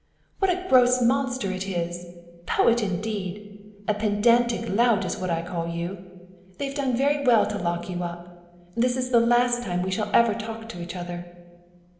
"What a gross monster it is! Poet indeed! A pedantic lout is what I call you! They've done very well to lock you up. This is the last time that we shall ever talk to each other."